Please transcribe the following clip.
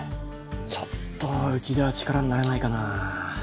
ちょっとうちでは力になれないかな。